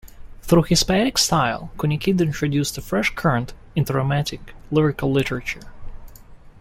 Through his poetic style, Kunikida introduced a fresh current into romantic lyrical literature.